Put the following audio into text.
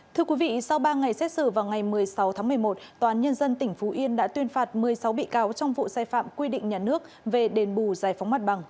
thưa quý vị sau ba ngày xét xử vào ngày một mươi sáu tháng một mươi một tòa án nhân dân tỉnh phú yên đã tuyên phạt một mươi sáu bị cáo trong vụ sai phạm quy định nhà nước về đền bù giải phóng mặt bằng